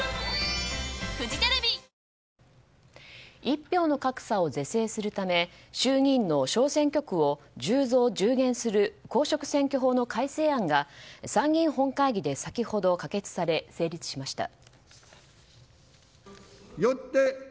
一票の格差を是正するため衆議院の小選挙区を１０増１０減する公職選挙法の改正案が参議院本会議で先ほど可決され成立しました。